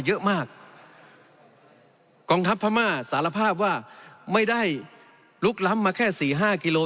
เยอะมากกองทัพพม่าสารภาพว่าไม่ได้ลุกล้ำมาแค่สี่ห้ากิโล